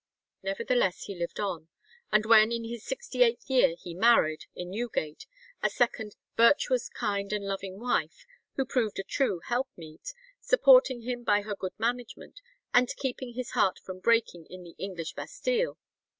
Nevertheless he lived on; and when in his sixty eighth year he married, in Newgate, a second, "virtuous, kind, and loving wife, who proved a true helpmeet," supporting him by her good management, and keeping his heart from breaking in the "English Bastile."